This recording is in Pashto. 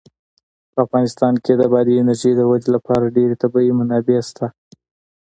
په افغانستان کې د بادي انرژي د ودې لپاره ډېرې طبیعي منابع شته دي.